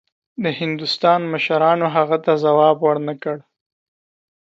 د هندوستان مشرانو هغه ته ځواب ورنه کړ.